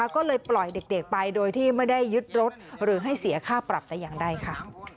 ก็เลยปล่อยเด็กไปโดยที่ไม่ได้ยึดรถหรือให้เสียค่าปรับแต่อย่างใดค่ะ